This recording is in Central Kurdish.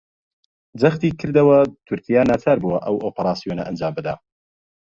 جەختیکردەوە تورکیا ناچار بووە ئەو ئۆپەراسیۆنە ئەنجامبدات